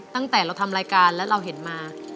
ตั้งแต่เราทำรายการแล้วเราเห็นมา